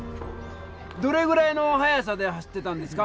どれぐらいの速さで走ってたんですか？